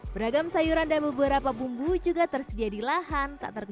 beragam sayuran dan beberapa bumbu juga tersedia di lahan tak terkunci